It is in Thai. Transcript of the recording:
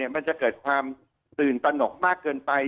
มันจะเกิดความตื่นตนกมากเกินไป